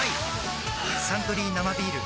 「サントリー生ビール」